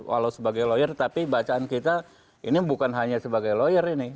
walau sebagai lawyer tapi bacaan kita ini bukan hanya sebagai lawyer ini